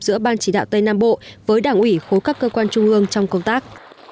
giữa ban chỉ đạo tây nam bộ với đảng ủy khối các cơ quan trung ương trong công tác